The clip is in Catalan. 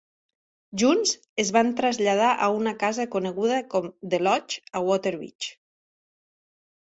Junts, es van traslladar a una casa coneguda com The Lodge a Waterbeach.